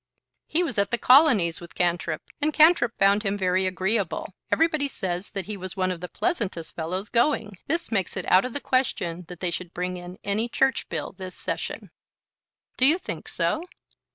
"He was at the Colonies with Cantrip, and Cantrip found him very agreeable. Everybody says that he was one of the pleasantest fellows going. This makes it out of the question that they should bring in any Church bill this Session." "Do you think so?"